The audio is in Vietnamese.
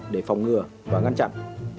để phòng ngừa và ngăn chặn